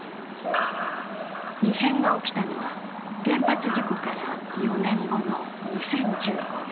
異変が起きたのは、原発事故から４年後の２０１５年。